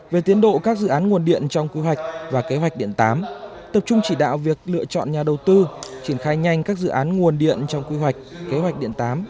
về tiến độ các dự án nguồn điện trong quy hoạch và kế hoạch điện tám tập trung chỉ đạo việc lựa chọn nhà đầu tư triển khai nhanh các dự án nguồn điện trong quy hoạch kế hoạch điện tám